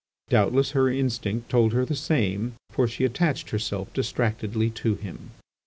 Doubtless her instinct told her the same, for she attached herself distractedly to him.